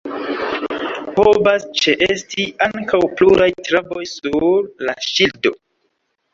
Povas ĉeesti ankaŭ pluraj traboj sur la ŝildo.